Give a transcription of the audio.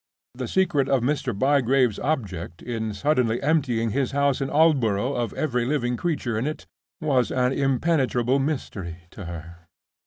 The secret of Mr. Bygrave's object in suddenly emptying his house at Aldborough of every living creature in it was an impenetrable mystery to her.